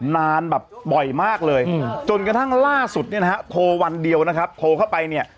นานแบบบ่อยมากเลยจนกระทั่งล่าสุดเนี่ยนะฮะโทรวันเดียวนะครับโทรเข้าไปเนี่ย